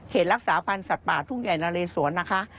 รักษาพันธ์สัตว์ป่าทุ่งใหญ่นาเลสวนนะคะ